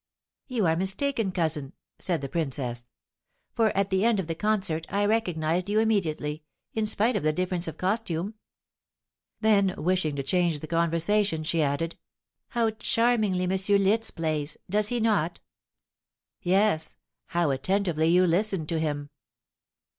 "You are mistaken, cousin," said the princess. "For at the end of the concert I recognised you immediately, in spite of the difference of costume." Then, wishing to change the conversation, she added, "How charmingly M. Liszt plays! does he not?" "Yes. How attentively you listened to him!"